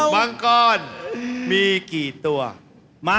มังกรมีกี่ตัว